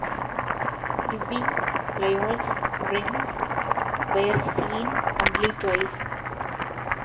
Living Lyall's wrens were seen only twice.